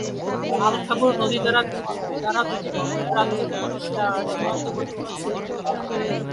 আল-খাবুর নদী দ্বারা দুটি নতুন রাজ্যের মধ্যে সীমান্ত গঠিত হয়েছিল।